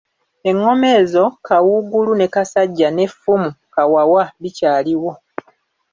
Ennoma ezo Kawuugulu ne Kasajja n'effumu Kawawa bikyaliwo.